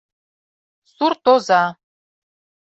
СУРТОЗА